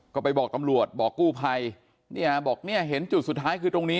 ก็ไปบอกตำรวจบอกกู้ภัยเนี่ยบอกเนี่ยเห็นจุดสุดท้ายคือตรงนี้